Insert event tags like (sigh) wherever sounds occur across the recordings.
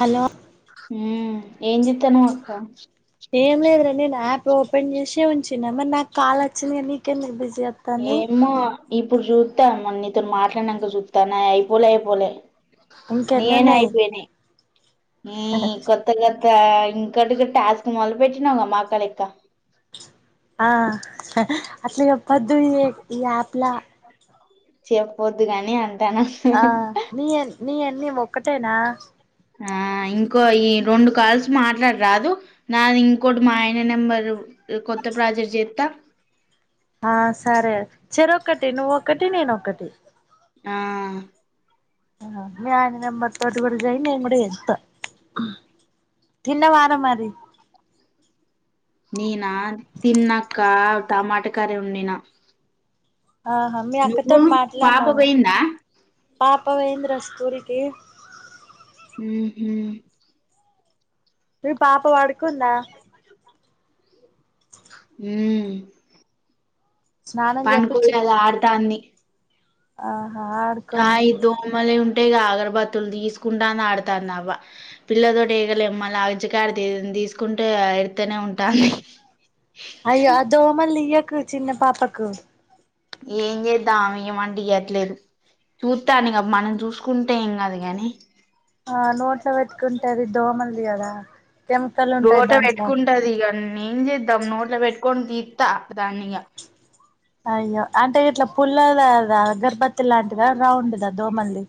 Hello హ్మ్ ఏం చెత్తన్నవ్ అక్క ఏం లేదు రా నేను ఆప్ ఓపెన్ జెశే ఉంచిన మరి నాకు కాల్ అచ్చింది ఏంది నీకు ఎందుకు బీసీ ఏమో అక్ ఇప్పుడు చూత్త మరి నీతోనీ మాట్లాడినంక చూత్త నాయి అయిపోలే అయిపోలే నిఏనా ఇంకెన్నున్నాయి అయిపోయినై హ్మ్ కొత్తగా ఇంకా ఇంకోటి కూడా టాస్క్ మొదలు పెట్టినావ్ గా మాక్క లెక్క ఆ ఆహా అట్లా చెప్పొద్దు ఇది ఈ ఆప్ ల చెప్పొద్దు గని అంత తను (inaudible) ఆ నీ నీ ఎన్ని ఒక్కటేనా ఆ ఇంకో ఈ రొండు కాల్స్ మాట్లాడ రాదు నాది ఇంకోటి మా ఆయన నెంబరు కొత్త ప్రజర్ చేత్త ఆ సరే చెరొక్కటి నువ్వొక్కటి నేనొక్కటి ఆ హ మీ ఆయన నెంబర్ తోటి గుడ చేయి నేను కూడ చేత్త తిన్నావారా మరీ నేనా తిన్నక్క టమాటా కర్రి వండిన ఆహా మీ నువ్వు అక్కతోటి పాప మాట్లాడినాము పోయిందా పాప పోయింద్ర స్కూల్ కి ఉహు మీ పాపపడుకుందా మ్ స్నానం పండుకోలేద్ ఆడతాంది ఆ ఆయిదోమలె ఉంట ఇగ అగరబత్తులు తీసుకుంటాది ఆడతాంది అవ్వ పిల్లతోటి ఏగలేం మళ్ళ అజ్జకారి ఏదైనా తీసుకుంటే ఎడితేనే ఉంటాంది. అయ్యో ఆ దోమల్ తియ్యక్ కు చిన్న పాపకు ఏం చేద్దాం ఆమె ఇయ్యమంటే ఇయ్యట్లేదు చూత్తాన ఇగ మనం చూసుకుంటే ఏం కాదు గనీ ఆ నోట్ల పెట్టుకుంటది దోమల్ది కదా ఆ నోట పెట్టుకుంటది ఇగ నీ నేం చేద్దాం నోట్ పెట్టు కొనో దీత దాని ఇగా అయ్యో అంటే ఇట్లా పుల్లదదా గర్బత్తి లాంటిద రౌండ్దా దోమలది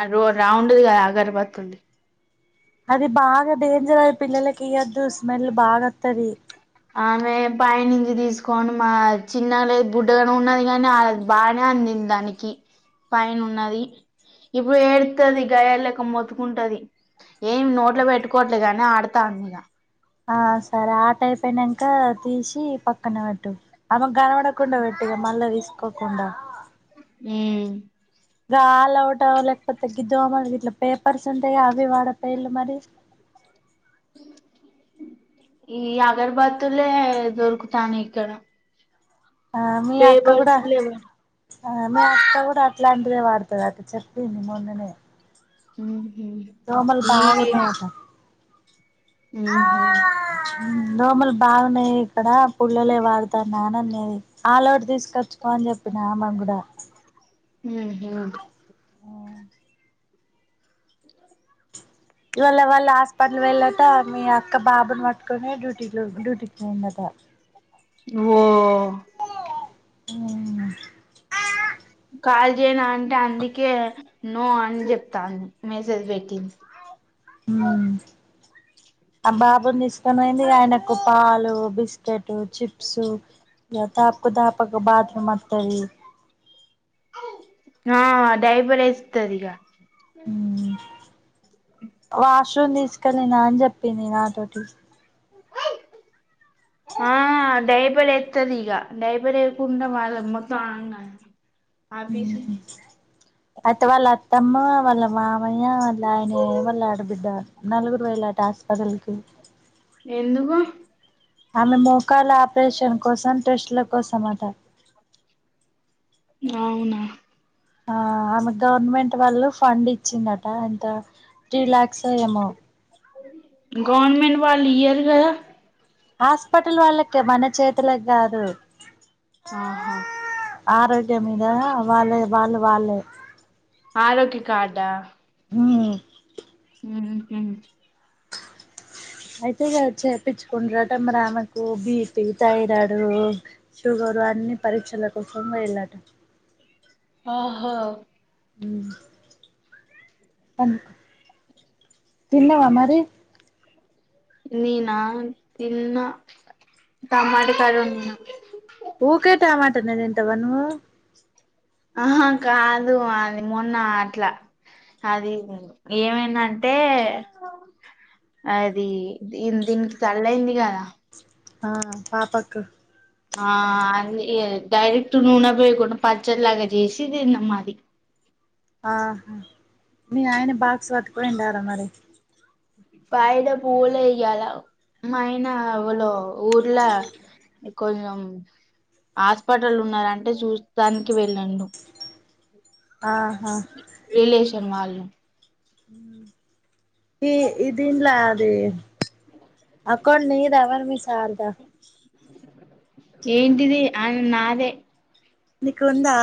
అ రో రౌండ్‌ది కదా అగరబత్తులది అది బాగా డేంజర్ అది పిల్లలకీయెద్దు స్మేల్ బాగా వత్తది ఆమె పైనించి తీసుకోని మా చిన్నలే బుడ్డగాను ఉన్నది కానీ ఆళ్ళకు బానే అందింది దానికి పైన ఉన్నది ఇప్పుడు ఏడుతాది గైయలు లెక్క మొత్తుకుంటది ఏమి నోట్లో పెట్టుకోవట్లేదు గాని ఆడ తాన్ మీద ఆ సరే ఆట అయిపోయినాక తీసి పక్కన అట్టు ఆమెక కనపడకుండా పెట్టుగా ఇగ మళ్ళ తీసు కోకుండా ఉమ్ గ ఆల్ అవుటో లేకపోతే గిదోమ ఇట్లా పేపర్స్ ఉంటాయి అవి వాడకపోయిల్లుమారి ఈ అగర్బాత్లే దొరుకుతానై ఇక్కడ ఆ మీ అక్క కూడా పేపర్స్ లేవు ఆ మీ అక్క కూడా అట్లాంటిదే వాడుతాది అట చెప్పింది మొన్ననే ఉమ్ దోమల్ బాగా ఉన్నాయంట హ్మ్ హు మ్మ్ దోమలు బాగున్నాయి ఇక్కడ పుల్లలే వాడుతాన అని అన్నది ఆల్ అవుట్ తీసుకొచ్చు ఫోన్ చెప్పిన ఆమెక్గూడా ఉహూ ఈవాళ్ళ వాళ్ళ హాస్పిటల్ వెళ్ళక మీ అక్క బాబుని పట్టుకొనే డ్యూ ఇంట్లో డ్యూటీకి పొమ్మ్ అత్త ఓ మ్మ్ కాల్ జేయనా అంటే అందుకే నో అని చెప్తాంది మెసేజ్ పెట్టించి మ్మ్ ఆ బాబుని తీసుకొనియింది ఆయనకు పాలు బిస్కెట్లు చిప్సు ఇగ తాప్ కుదాప్ ఒక బాబ్ కి మాత్తేయి ఆ డైబరస్ వేస్తదిగ వాష్రూమ్ తీసుకెళ్ళిన అని చెప్పింది నాతోటి ఆ డైప్ డైపర్ ఎత్తదిగా డైపరేయ్కున్నా మళ్ళా మొత్తం ఆయన ఆఫిసు అత్త వాళ్ల అత్తమ్మ వాళ్ళ మామయ్య వాళ్ళ ఆయన వాళ్ళు ఆడబిడ్డా నలుగురు వెళ్లారు టాస్పిటల్కి ఎందుకు ఆమె మోకాల ఆపరేషన్ కోసం టెస్ట్ల కోసం అట అవునా ఆ ఆమె గవర్నమెంట్ వాళ్ళు ఫండ్ ఇచ్చిందట ఇంత త్రీ లాక్స్ ఏమో గవర్మెట్ వాళ్ళు ఇయరు గద హాస్పిటల్ వాళ్ళకి మన చేతులకి కాదు ఆహా ఆరోగ్యం మీద వాళ్ళే వాళ్ళు వాళ్ళే ఆరోగ్య కార్డా మ్మ్ హ్మ్మ్ మ్మ్ అయితేగాద చేపిచ్ కొండరాటం రామెకు బీ మిగతా ఇరాడు షుగరు అన్ని పరీక్షల కోసం వెళ్ళాడు ఓహో మ్మ్ తిన్నవా మారీ నేనా తిన్న టమాట కర్రీ ఉన్ తిన్న తింటావా నువ్వు అహ కాదు అది మొన్న అట్లా అది ఏమైదంటే అది దీ దీనికి తల్లయింది కదా ఆ పాపాకు ఆ ఇ డైరెక్ట్ నూనె పోయకుండా పచ్చడిలాగా చేసి తిన్నాం అది ఆహా మీ ఆయన బాక్స్ పట్టుకొని పోయిండా రా మరి వాయిదా పోలే ఇయ్యాల మా ఆయన వాళ ఊర్ల కొంచం హాస్పిటల్ ఉన్నదంటే చూస్తానికీ వెళ్ళిండు ఆహా కెమాలు ఈ దీన్ల అది అక్కో నీదేవన్ నీ శారద ఏంటిది అది నాదే నిక్ ఉందా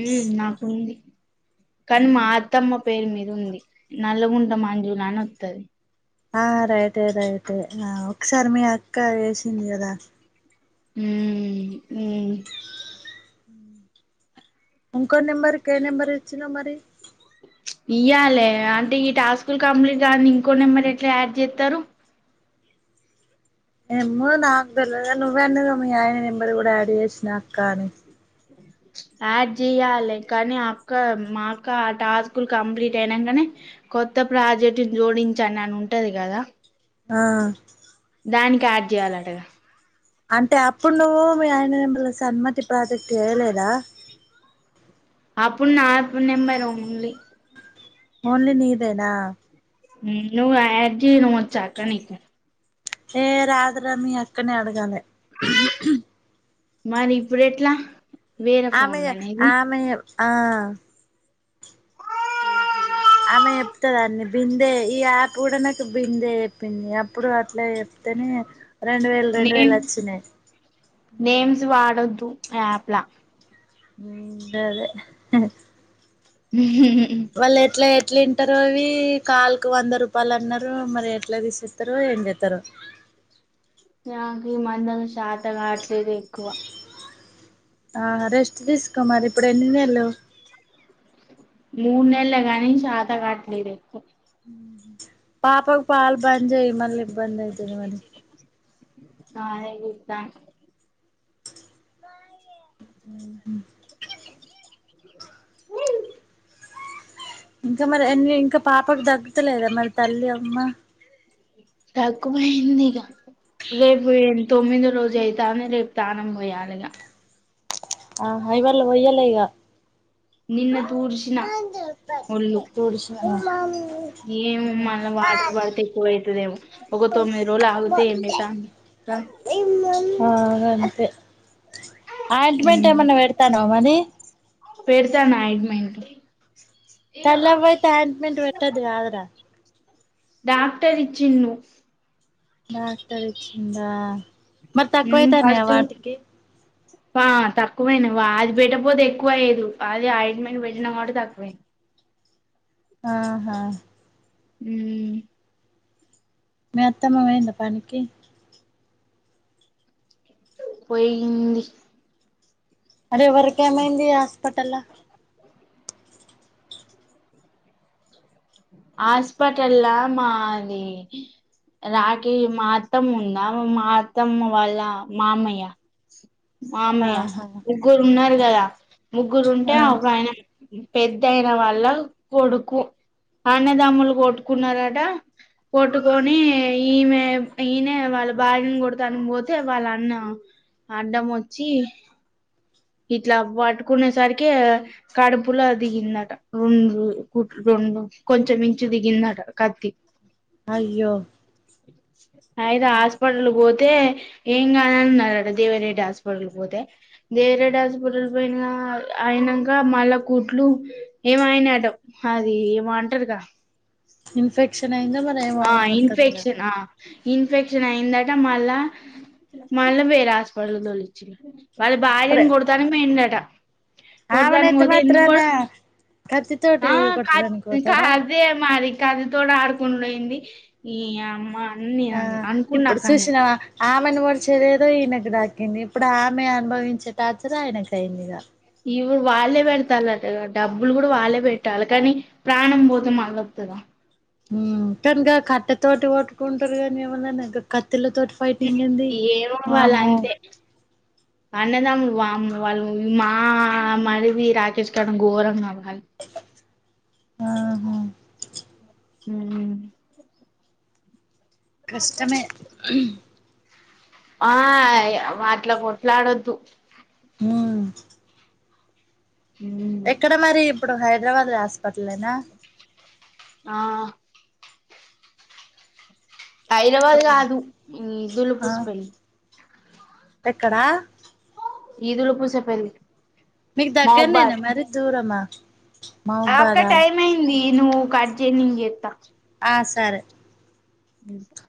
మ్మ్ నాకు ఉంది కాన్ మా అత్తమ్మకు పేర్ మీదుంది నల్లగుంట మంజులానినొత్తది ఆ రైటే రైటే ఆ ఒక్కసారి మీ అక్క వేసింది కదా మ్మ్ మ్మ్ ఉన్కో నెంబర్ గె నెంబర్ ఇచ్చినవ్ మరి ప్చ్ ఇయ్యాలే అంటే ఈ టాస్కులు కంప్లీట్ గన్ది ఇంకో నెంబర్ ఎట్లా యాడ్చెత్తారు. ఎమ్మో నాకు తెల్వద్గాని నువ్వే అన్నవ్గదా మీ ఆయన నెంబరు కూడా ఆడ్ చేసినా అక్కా అని ప్చ్ యాడ్ చేయాలే కానీ అక్క మా అక్క ఆ టాస్కులు కంప్లీట్ అయినంకనే కొత్త ప్రాజెక్ట్ జోడించండి అని ఉంటది కదా ఆ దానికె యాడ్ జెయాలంటగా అంటే అప్పుడు నువ్వు మీ ఆయన సన్మతి ప్రాజెక్ట్ చేయలేదా అప్పుడు నాకు నెంబర్ ఉన్లి ఒన్లీ నీదేనా నువ్వు ఆడ్ చేయడం వచ్చా అక్కనీకు ఏ రాత్ర మీ అక్కనే అడగాలి మరి ఇప్పుడు ఎట్లా వేరే ఆమె ఫోన్ల నీది ఆమె ఆ ఆమె చెప్తది అన్ని బిందే ఈ యాప్ కూడ నాకు బిందే చెప్పింది అప్పుడు అట్లా చెప్తేనే రెండు వేలు రెండు నేమ్ వేలు వచ్చినాయి నేమ్స్ వాడొద్దు యాప్ల ఊ గదే ఉ హుం వాళ్లు ఎట్లా చె ఎట్లా వింటారో ఇవి కాల్ కు వంద రూపాయలు అన్నారు మరి ఎట్లా తీసేస్తారో ఏం చేస్తారో నాన్ షాద్ తాకావట్లేదు ఎక్కువ ఆ రెస్ట్ తీసుకో మరి ఇప్పుడు ఎన్నినెల్లు మూనెల్లే గానీ చాతకాట్లేదే ఎక్కువ పాపకు పాల్ బంద్ జేయ్ మల్ల ఇబ్బంది అయితుంది మరి ఆ ఏ చేతారు ఆహా ఇంకా మరి అన్ని ఇంక పాప్ అప్పుడు తగ్గతలేదా మరి తల్లి అమ్మ తక్కువయింది ఇగ రేపు తొమ్మిదో రోజు అయితాంది రేపు తానం పోయాలి ఇగ ఆ ఐవాళ్ళ పొయ్యాలె ఇగ నిన్న తూడ్చినా ఒళ్ళు తుడిచిన ఏమో మళ్ల వాటర్ పడితే ఎక్కువ అవుతుదేమో ఒక తొమ్మిది రోజులు ఆగితే ఏమవుతంది ఆ గంతే ఆయింట్మెంట్ ఏమన్నా పెడతానవ మది పెడతాన ఆయింట్మెంట్ తల్లవ్వ అయితే ఆయింట్మెంట్ పెట్టదు కాదురా డాక్టర్ ఇచ్చిండు డాక్టర్ ఇచ్చిండా మరి ఉమ్ తక్కువైతానయ ఫస్ట్ వాటికి ఆ తక్కువైనయి అది పెట్టపోతే ఎక్కువైయ్యేది అది ఆయింట్మెంట్ పెట్టినా కాబట్టి తక్కువైంది ఆహా హ్మ్ మీ అత్తమ్మపొయింద పనికి పోయింది అరేవరికి ఏమైంది అ పట్టలా హాస్పిటల్లా మాది రాఖీ మా అత్తమ్మ ఉందా మా అత్తమ్మ వాళ్ళ మామయ్య మమయ్య ఆహా ముగ్గురు ఉన్నారు కదా ముగ్గురు ఉంటే ఆ ఒక ఆయన పెద్దయిన వాళ్ళ కొడుకు అన్నదమ్ములు కొట్టుకున్నరట కొట్టుకొని ఈమె ఈయనే వాళ్ళ భార్యను కొడతాని పోతే వాళ్ళ అన్న అడ్డమొచ్చి ఇట్లా పట్టుకునే సరికే కడుపులా దిగిందట రెండు కుట్లు రెండు కొంచెం మించు దిగిందట కత్తి అయ్యో అయితే ఆహా హాస్పిటల్ పోత అయితే ఎంగదన్నారట దేవరెడ్డి హాస్పర్ పోతే దేవరెడ్డి హాస్పిటల్ పోయిన అయినంక మళ్ళా కుట్లు ఏమో అయినాయంట అది ఏమో అంటారుగా ఇన్ఫెక్షన్ ఎమన్నా అయిందో ఆ ఏమోరే మొత్తం మీద ఇన్ఫెక్షన్ ఆ ఇన్ఫెక్షన్ అయిందట మళ్ళా మళ్ళ వేరే హాస్పిటల్ తోలిచ్చ వాళ్ళ భార్యను కొడతానని పోయిండట కొడతానికి ఆమేనైతే పోతే ఎందుకు కొ మాత్రానా కత్తి తోటి ఆ కొట్టడానికి పోతడా కాత్తి తోని ఆడుకున్నయి ఉంది నీయమ్మ ఆ ఇప్పుడు చూసినవా ఆమెను పొడిచేదేదో ఈమెకు దాకింది ఇప్పుడు ఆమె అనుభవించే టార్చర్ ఆయనకు అయిందిగా ఇగొ వాళ్ళే వెడతాల్లట కద డబ్బులు కూడా వాళ్ళే పెట్టాలె కనీ ప్రాణం పోతే మళొత్తదా ఉమ్ కని గ కట్టెతోటి కొట్టుకుంటురు కనీ ఎవలన్న గ కత్ కత్తలతోటి ఫైటింగ్ ఏంది ఏమో వాళ్ళు వామ్మె అంతే అన్నదమ్ములు వామ్మో వాళ్ళు మా మరిది రాకేష్ కన్న ఘోరం గవాళ్ అది ఆహా ఊమ్ కష్టమే ఆయివ్వ వాట్లా కొట్లాడొద్దు ఊమ్ ఉమ్ ఎక్కడ మరి ఇప్పుడు హైద్రాబాద్ హాస్పిటలే నా ఆ హైద్రాబాద్ కాదు ఈ ఆ దులుపూస్ పెళ్లి ఎక్కడా ఈదులుపూసపెళ్ళి మీకు దగ్గర్నేన మరి దూరమా ఆ అక్క మహబాదా టైం అయింది ఇనుము కడ్జేయి నేం చేత్త ఆ సరే మ్మ్